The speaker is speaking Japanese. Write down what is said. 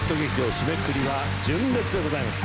締めくくりは純烈でございます。